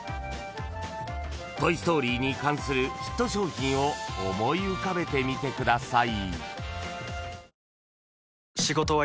［『トイ・ストーリー』に関するヒット商品を思い浮かべてみてください］